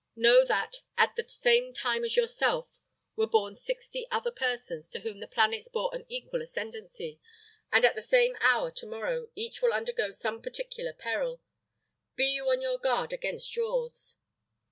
Know that, at the same time as yourself, were born sixty other persons, to whom the planets bore an equal ascendancy; and at the same hour to morrow, each will undergo some particular peril. Be you on your guard against yours."